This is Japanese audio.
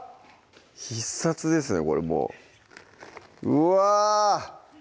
必殺ですねこれもううわ！